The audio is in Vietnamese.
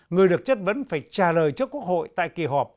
người được chất vấn phải trả lời trước quốc hội tại kỳ họp